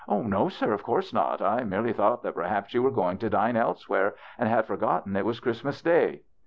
"No, sir, of course not. I merely thought that perhaps you were going to dine else where and had forgotten it was Christmas day."